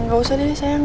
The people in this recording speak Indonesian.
gak usah deh sayang